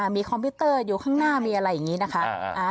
มีคอมพิวเตอร์อยู่ข้างหน้ามีอะไรอย่างนี้นะคะ